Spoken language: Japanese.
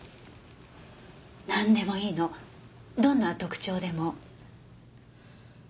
なんでもいいのどんな特徴でも。